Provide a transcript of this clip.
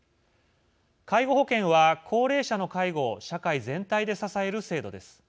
介護保険は高齢者の介護を社会全体で支える制度です。